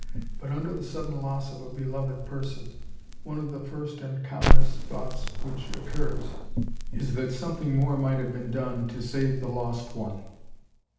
But under the sudden loss of a beloved person, one of the first and commonest thoughts which occurs, is that something more might have been done to save the lost one.